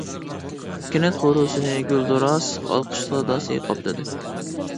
كەنت قورۇسىنى گۈلدۈراس ئالقىش ساداسى قاپلىدى.